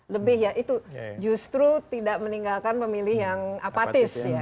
lebih ya itu justru tidak meninggalkan pemilih yang apatis ya